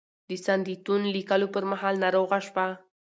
د "سندیتون" لیکلو پر مهال ناروغه شوه.